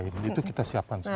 itu kita siapkan semua